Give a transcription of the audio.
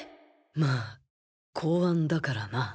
ま公安だからな